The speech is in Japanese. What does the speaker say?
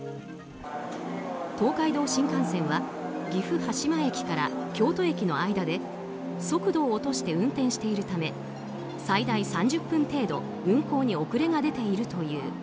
東海道新幹線は岐阜羽島駅から京都駅の間で速度を落として運転しているため最大３０分程度運行に遅れが出ているという。